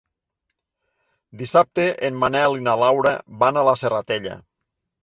Dissabte en Manel i na Laura van a la Serratella.